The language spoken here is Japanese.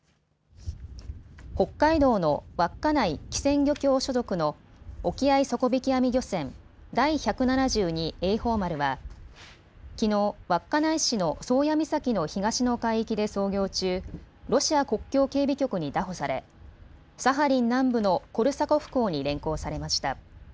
北海道の稚内機船漁協所属の沖合底引き網漁船、第百七十二榮寳丸はきのう、稚内市の宗谷岬の東の海域で操業中、ロシア国境警備局に拿捕されサハリン南部のコルサコフ港に連行されました。